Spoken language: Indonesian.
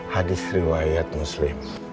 hadis riwayat muslim